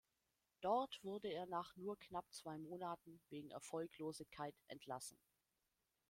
Dort wurde er nach nur knapp zwei Monaten, wegen Erfolglosigkeit, entlassen.